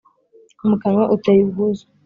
mu kanwa uteye ubwuzu.